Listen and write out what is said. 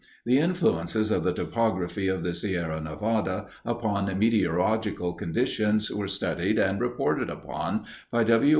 The influences of the topography of the Sierra Nevada upon meteorological conditions were studied and reported upon by W.